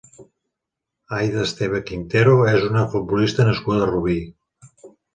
Aida Esteve Quintero és una futbolista nascuda a Rubí.